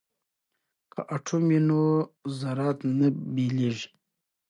که اټوم وي نو ذرات نه بېلیږي.